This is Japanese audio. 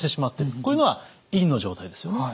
こういうのは陰の状態ですよね。